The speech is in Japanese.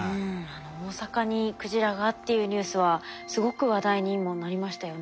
あの「大阪にクジラが」っていうニュースはすごく話題にもなりましたよね。